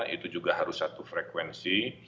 itu juga harus satu frekuensi